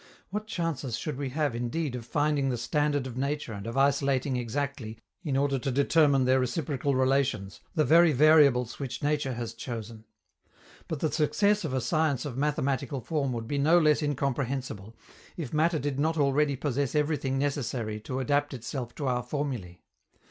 What chances should we have indeed of finding the standard of nature and of isolating exactly, in order to determine their reciprocal relations, the very variables which nature has chosen? But the success of a science of mathematical form would be no less incomprehensible, if matter did not already possess everything necessary to adapt itself to our formulae.